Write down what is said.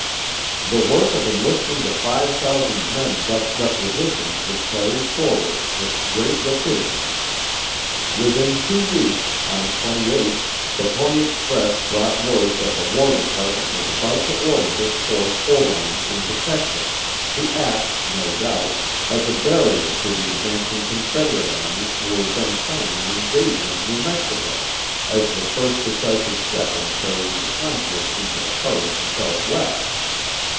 The work of enlisting the five thousand men thus requisitioned was carried forward with great rapidity. Within two weeks, on the 28th, the Pony Express brought word that the War Department was about to order this force overland into Texas, to act, no doubt, as a barrier to the advancing Confederate armies who were then planning an invasion of New Mexico as the first decisive step in carrying the conflict into the heart of the Southwest.